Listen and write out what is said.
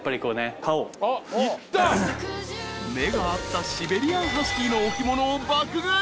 ［目が合ったシベリアン・ハスキーの置物を爆買い］